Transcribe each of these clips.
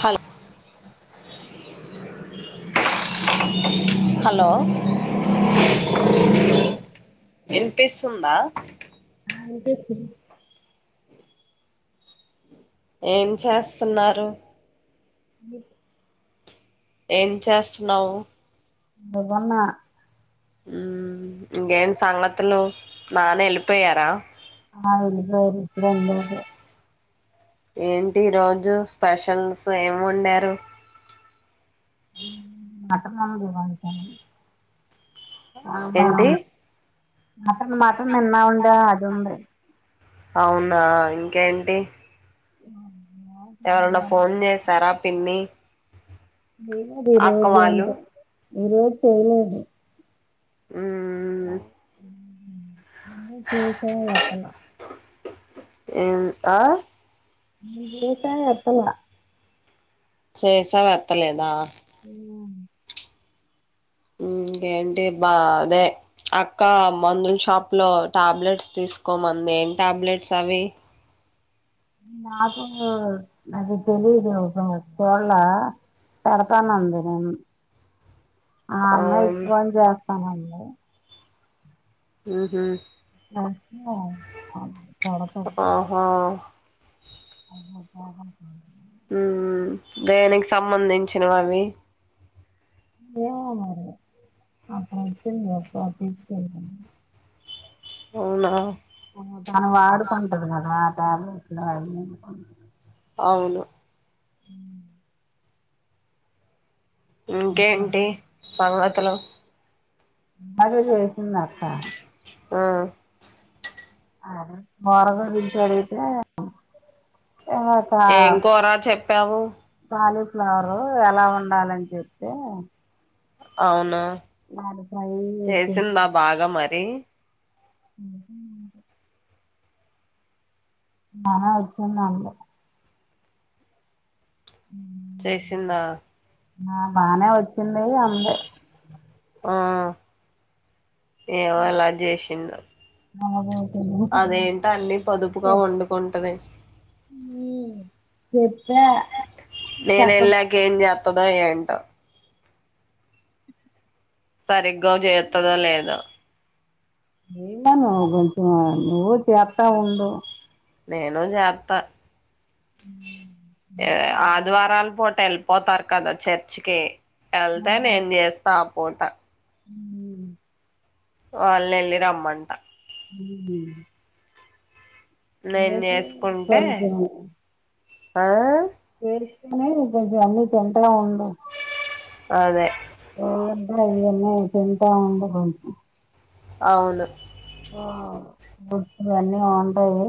హల్ hello ఎనిపిస్తుందా ఆ వినిపిస్తుంది ఏం చేస్తున్నారు ఏం చేస్తున్నావు [unintelligible] గున్న ఉమ్ ఇంకేం సంగతులు నాన్న వెళ్ళిపోయారా ఆ ఎల్లిపోయారు ఇప్పుడే ఇందాకే ఏంటి రోజు స్పెషల్స్ ఏమి వండారు ఉమ్ ముట్టన్ [unintelligible] ఏంటి అవునా మట్టన్ మట్టన్ తిన్నమండి ముంబై అవునా ఇంకేంటి ఉమ్ ఎవరన్న ఫోన్ చేసారా పిన్ని లేదు అక్క రోజే అంట వాళ్ళు ఈ రోజు చెయ్యలేదు ఉమ్ ఉమ్ ఇంకా టీచర్ గా చేస్తున్నా ఉమ్ ఆ మ్ లేత్తానే ఎప్పాల చేసావు ఎత్తలేద ఉ ఇంకేంటి బా అదే అక్క మందుల షాప్ లో టాబ్లెట్స్ తీసుకోమంది ఏం టాబ్లెట్స్ అవి నాకు అది తెలీదు [unintelligible] చుళ్ళ పెడతాన్నంది నిన్ ఆ అన్నయ్యక్ అవును ఫోన్ జెస్ తనంది ఉ హు ఆ ఆహా [inaudible] మ్ దేనికి సంబంధించినవవి ఏమో మరి అక్కడ ఎక్కడొచింది [unintelligible] అవునా ఊ తను వాడుకుంటది గదా [unintelligible] అవును ఉ ఇంకేంటి సంగతులు అదే చేసింది అక్క ఆ అదే కోర గురించి అడిగితే ఆ ఏం కూర చెప్ ప్యవు క్యాలీఫ్లవర్ ఎలా వండాలని జేప్తే అవునా చేసిందా బాగా మరి ఉహ్ బానే వచ్చింది అంది ఉ చేసిందా ఆ బానే వచ్చింది అంది ఆ ఏమో ఏలా జేసి తిన్న అవుదవుదు అదేంటి అన్ని పొదుపుగా వండుకుంటది ఊ చెప్పా నేను చక్క ఎళ్ళక ఏం చేత త్తదో ఏంటో సరిగ్గా చెత్తదో లేదో చేయమను నువ్వు కొంచెం నువ్వు చెత్తా ఉండు నేను చెత్త హు ఆదివారాల పూట ఏళ్ళి పోతారుకాదా చర్చికి ఎళ్తే నేం చేస్తా పూట హు వాళ్ని వెళ్ళి రమ్మంట హు నేను [unintelligible] చేసుకుంటే కొంచెం ఆ చేసుకొని కొంచెం అన్ని తింటా ఉండు అదే ఏదన్న తింటా ఉండు కొంచం అవును ఆ మొత్తం అన్ని ఉంటాయి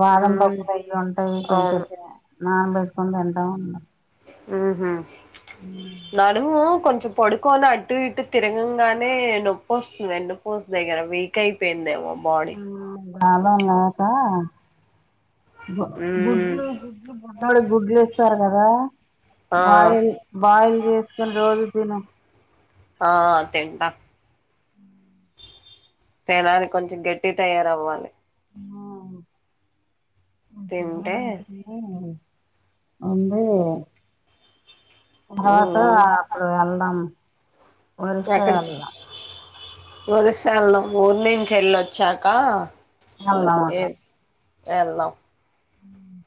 బాదాం మ్మ్ పప్పులు అన్ని ఉంటాయి అవును [unintelligible] నాన్ పెట్టుకొని తింటా ఉండు ఆహా నడుము కొంచెం పడుకొని అటు ఇటు తిరగగానే నొప్పి వస్తుంది వెన్నుపూస దగ్గర వీక్ అయిపోయిందేమో బాడీ చాలా మోష గు మ్మ్ గుడ్లు గుడ్లు బుడ్డోడికి గుడ్లు ఇస్తారు కదా ఆ బాయిల్ బాయిల్ చేసుకొని రోజు తిను ఆ తింటా తినాలి కొంచెం గట్టి తయారవ్వాలి తింటే శుభ్రంగా తింటే అంటే [unintelligible] మ్మ్ అప్పుడు వెళ్దాం వస్తా [unintelligible] ఒరిసలు ఊరూ నుంచి వేళ్ళి వచ్చాక అ ఎళ్దాం ఉ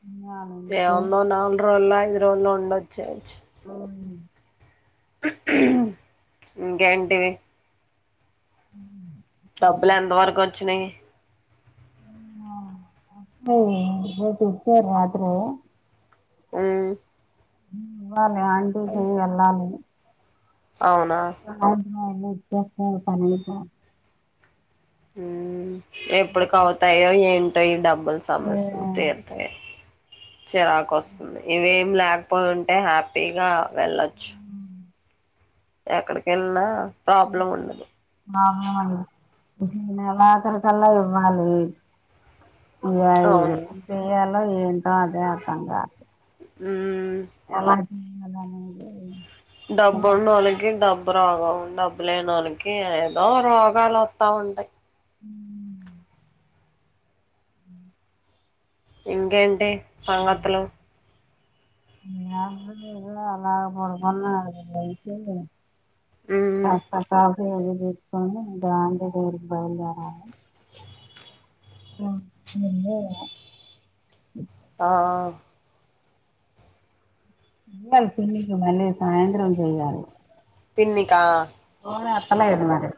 ఏ ఒన్నో నార్లోలై లో ఉండి ఒచ్చేయచ్చు అవును ఇంకేంటి ఉ డబ్బులు ఎంత వరకు వచ్చినయి ఆ ఇచ్చారు రాత్రే హు ఉ ల ఆంటీ హు ఎల్లాలి అవునా వెళ్ళి ఇచ్చేస్తారు పని మ్ ఎప్పుడికి అవుతాయో ఏం టో ఈ డబ్ బుల్ సమస్య ఉంటే అయిపోవాలి అంతే చిరాకు ఒస్తుంది ఇవేం లేకపోయి ఉంటే హ్యాపీగా వెళ్లొచ్చు ఎక్కడికి వెళ్లిన ప్రాబ్లం ఉండదు నెలాకరు కళ్ళ ఇవ్వాలి ఇగ అయి అవును ఏం చెయ్యాల్ ఏంటో అదే అర్ధంకాట్లే మ్ ఎలా అలానే ఉండేది డబ్బున్నోళ్ళకి డబ్బురావలే డబ్బు లేనోళ్ళకి ఏదో రోగాలు వస్తా ఉంటాయి మ్ ఇంకేంటి సంగతులు ఏ అలాగ పడుకున్నా అయితే మ్మ్ స కాఫ అ ద్రాం దేఊరికి బయలుదేరాలి ఆ అన్న ఆ ఆ ఇ పన్నకి మళ్ళీ సాయంత్రం చెయాలి పిన్నికా ఫోన్ ఎథాలేదు మరి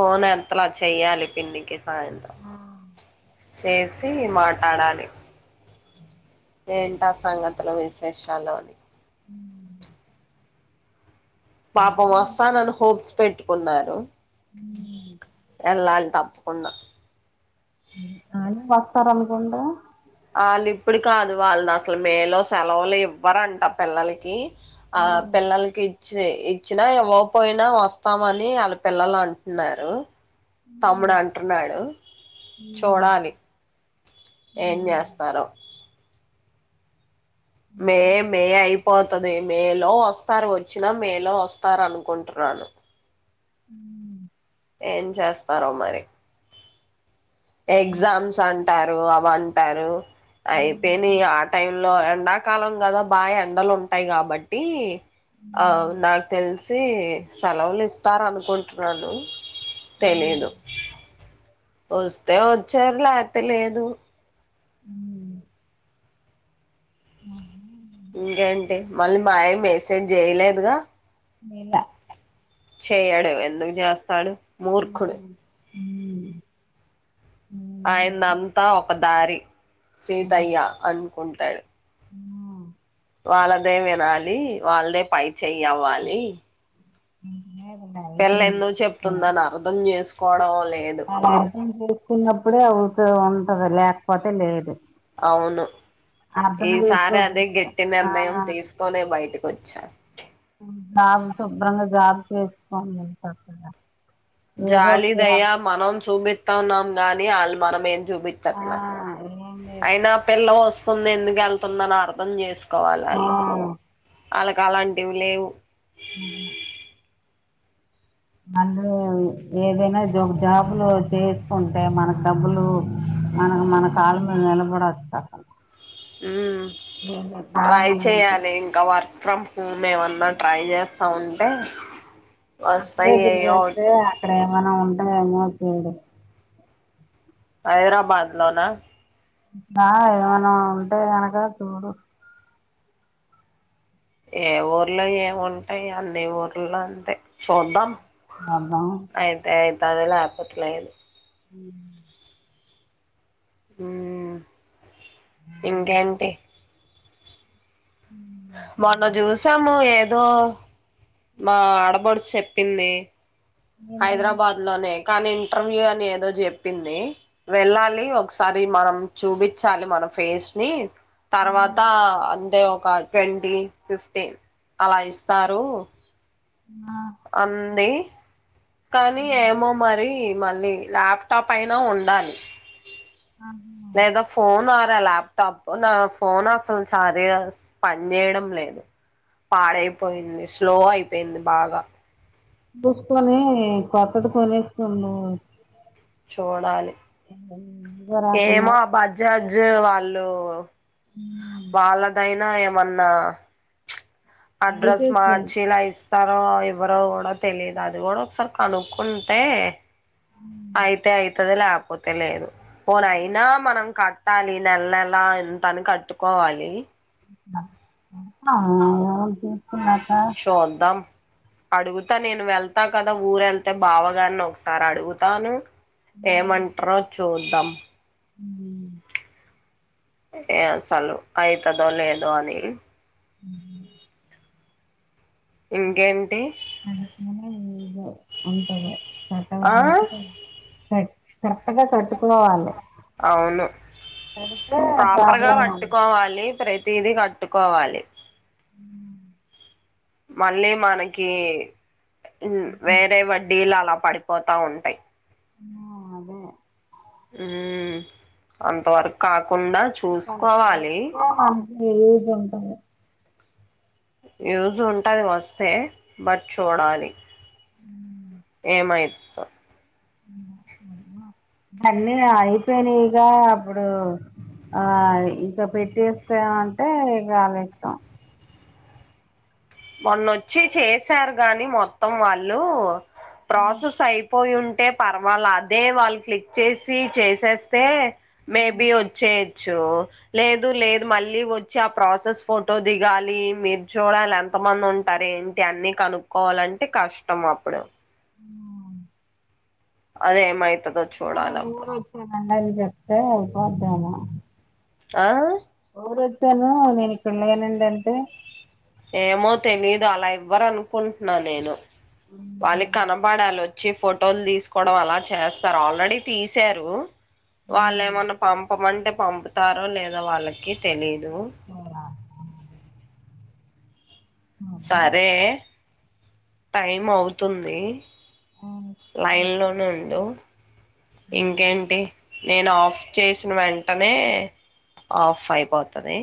ఫోన్ ఎంతలా చెయ్యాలి పిన్నికి సాయంత్రం చేసి మాట్లాడాలి ఏంటా సంగతులు విశేషల్లో అని ఉమ్ పాప మస్తా నన్న హోప్ పెట్టుకున్నారు ఎలా తప్పు ఉన్నా ఉమ్ అని వస్తారు అనుకుంట వాళ్ళు ఇప్పుడు కాదు వాళ్ళు అసలు మేలో సెలవులు ఇవ్వరంట పిల్లలకి ఆ పిల్లలు కి చ్చి ఇచ్చినా ఇవ్వకపోయినా వస్తామని వాళ్ళ పిల్లలు అంటున్నారు తమ్ముడు అంటున్నాడు చూడాలి ఏం చేస్తారో మే మే అయి పోతుది మేలో వస్తారు వచ్చినా మేలో వస్తారు అనుకుంటున్నాను ఉమ్ ఏం చేస్తారో మరి ఎగ్జామ్స్ అంటారు వాంటారు అయిపోయిని ఆ టైమ్ లో ఎండా కాలం కదా బాగా ఎండలు ఉంటాయి కాబట్టి ఆ నాకు తెలిసి సెలవులు ఇస్తార అనుకుంటున్నాను తెలీదు వస్తే వచ్చారు లేతే లేదు ఉమ్ ఆహ ఇంకేంటి మళ్ళీ మాయ మెసేజ్ చేయలేదుగా చేయాల చెయడు ఎందుకు చేస్తాడు ఆ హా మూర్ఖుడు ఉమ్ ఆయనంతా ఒక దారి సీతయ్య అను కొంటాడు వాళ్ళదే వినాలి వాళ్ళదే పై చెయ్యవ్వాలి మ్ పిళ్ళ ఎందు చెప్తుందని అర్థం చేసుకు పోడంలే ఆయన ఆక్సిడెస్ట్ చేసుకున్నప్పుడే ఇందులో ఉంటది లేకపోతే లేదు అవును అర్థం ఈసారి అదే చేసుకోకపోతే గెట్టి ఆ నిర్ణయం తీసుకొనే బయటకి వచ్చి చ్చాన్ నాక్ శుభ్రంగా జాబ్ చేయొచ్చు కదా జాలి దయా మనం చూమిస్త్ తెం ఉన్నాం గాని ఆళ్ళు మనం ఏ జూబిత్ ఆ చట్లా ఏం లేదు అయినా పెల్లాం వస్ తుంది ఎందుకు వెళ్తుంద అని అర్థం చేసు కోవల వాళ్ళు ఆళ్ళకు అలాంటివి లేవు మ్ మండే అవి ఏదైనా జో జాబ్ లో చేసుకు అంటే మనక్ డబ్బులు మనకు మన కాళ్ళ మీద నిలబడవచ్చు అక్క హుమ్ ట్రై చెయాలి ఇంక వర్ వర్క్ ఫ్రమ్ హోమ్ ఏమన్నా ట్రై చేస్తా ఉంటే అక్క వస్తాయి దగ్గరికి ఏయో వెళ్తె ఒకటి అక్కడ ఏమైనా ఉంట అయ్ మా కూడ హైదరాబాద్ లోన మ ఏవన ఉంటే అనక చూడు ఏ ఊర్లో ఏముంటయి అన్ని ఊరుల్లో అంతే చూద్దాం మబావ్ ఇత్తద్లె అప్పట్లేదు ఉ ఉమ్ ఇంకేంటి మొన్న చూసాము ఏదో మా ఆడబ డ్చు చెప్పింది హైద్రబాద్ లోనే కాని ఇంటర్వ్యూ అని ఏదో చెప్పింది వెళ్ళాలి ఒకసారి మనం చూపించాలి మన ఫేస్ ని తర్వాత అంతె ఒ ఒక ట్వంటీ ఫిఫ్టీన్ అలా ఇస్తారు ఆ అంది కానీ ఏమో మరి మళ్ళీ ల్యాప్టాప్ అయినా ఉండాలి ఆ లేదా ఫోన్ ఆరా ల్యాప్టాప్ నా ఫోన్ అసలు సరగా పని చేయడం లేదు పాడైపోయింది స్లో అయిపోయింది బాగా దూసుకొని కొత్తది కొనేసుకునుండవచ్చు చూడాలి [inaudible] ఏమో రకంగా ఆ బజాజ్ జ వాళ్ళు వాళ్ళదైనా మన్నా అడ్రస్ మా చిలాయిస్ తను ఎవరో కూడా తెలియదు అది కూడా ఒకసారి కనుక్కుంటే అయితే అయితది లప్ పోతే లేదు పోనయినా మనం కట్టాలి నెల నెలా ఎంతని కట్టుకోవాలి [inaudible] [unintelligible] అడుగుత నేను వెళ్తా కదా ఊరు ఎళ్తే బావగారిని ఒకసారి అడుగుతాను ఏమంటరో సూద్దాం ఏ సలు అయితదో లేదో అని [inaudible] ఇంకేంటి [unintelligible] వె అంటవె ఆ ఏ కరక్ట్ గా కట్టుకోవాలి అవును ప్రాపర్గ వట్టుకోవాలి ప్రే తిది కట్టుకోవాలి మళ్ళీ మనకి ము వేరె వడ్డీలాల పడిపోతవుంటాయి ఊ అదే ఊ అంతవరకు కాకుండ వస్తే మనకీ యూస్ ఉంటది యూజ్ ఉంటయి వస్తే బట్ చూడాలి [unintelligible] అన్నీ అయిపోయినయి గా అప్పుడు ఆ ఇంకా పెట్టిస్తాం అంటే ఇగ ఆళ్ళిష్టం మొన్నొచ్చి చేసారు గాని మొత్తం వాళ్ళు ప్రాసెస్ అయ్ పోయి ఉంటే పర్వాలా అదే వాళ్ళు క్లిక్ చేసి చేసేస్తే మేబి వచ్చేది జో లేదు లేదు మళ్ళీ ఓచ్చి ఆ ప్రాసెస్ ఫోటో దిగాలి మీరు చూడాలం తమంది ఉంటారు ఏంటి అన్నీ కనుక్కోవాలంటే కష్టం అప్పుడు హుమ్ అదేమై తదో చోడాలాఅప్ అది చెపితే పోతానా ఆ ఎప్పుడతనావ్ నేను ఇక్కడ లేనండంటే ఏమొ తెలీదు అలా ఇవ్వరు అనుకుంటున్నా నేను వాళ్ళకి కనబడాల వచ్ వచ్చి ఫొటోలు తీసుకోవడం అలా చేస్తారు ఆల్రెడీ తీసారు వాళ్ళ ఏమన్నా పంపమంటే టె పంపుతారో లేదో వాళ్ళకి తెలిదు దు సరే టైం అవుతుంది లైన్ లోనుండు ఇంకేంటి నేను ఆఫ్ చేసిన వెంటనే ఆఫ్ అయిపోతది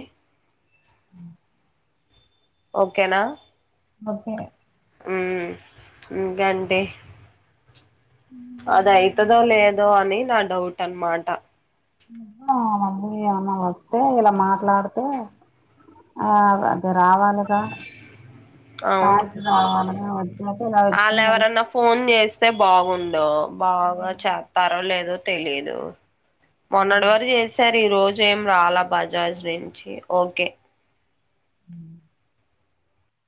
హుమ్ ఓకేనా ఓకే హుమ్ ఇంకేంటి అద అయితదో లేదో అని నా డౌట్ అనమాట ఇయమ్మా వస్తే ఇలా మాట్లాడితే ఆ అది రావాలిగా అవును వచ్చిన ఎలా వచ్చ వస్తే బాగుండు బాగా చెత్తరో లేదో తెలీదు మొన్నటి వరకు చేసారు ఈ రోజు ఏం రాలా బజాజ్ నుంచి ఓకే హుమ్